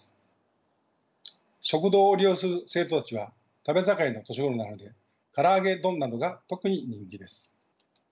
食堂を利用する生徒たちは食べ盛りの年頃なのでから揚げ丼などが特に人気です。